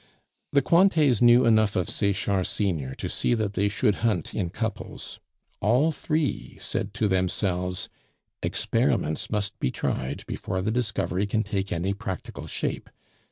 The Cointets knew enough of Sechard senior to see that they should hunt in couples. All three said to themselves "Experiments must be tried before the discovery can take any practical shape.